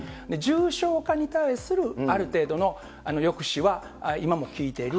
重症化に対するある程度の抑止は今もきいている。